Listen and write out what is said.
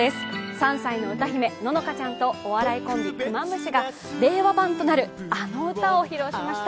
３歳の歌姫・乃々佳ちゃんとお笑いコンビ・クマムシが令和版となるあの歌を披露しました。